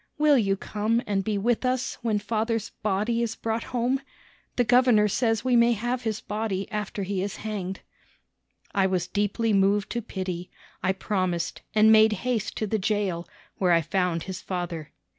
Will you come and be with us when father's body is brought home? The governor says we may have his body after he is hanged." I was deeply moved to pity. I promised, and made haste to the jail, where I found his father.